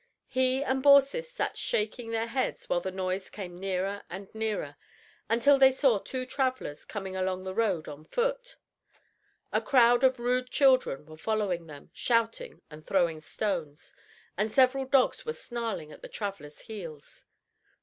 He and Baucis sat shaking their heads while the noise came nearer and nearer, until they saw two travelers coming along the road on foot. A crowd of rude children were following them, shouting and throwing stones, and several dogs were snarling at the travelers' heels.